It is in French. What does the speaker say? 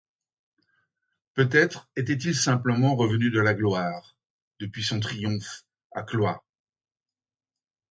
Peut-être était-il simplement revenu de la gloire, depuis son triomphe, à Cloyes.